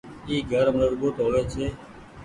اي گهر مزبوت هووي ڇي